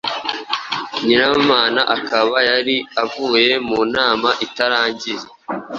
Nyiramana akaba yari avuye mu nama itarangiye